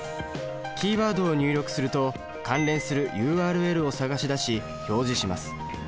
キーワードを入力すると関連するＵＲＬを探し出し表示します。